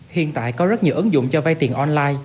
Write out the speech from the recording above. hiện tại có rất nhiều ứng dụng cho vay tiền online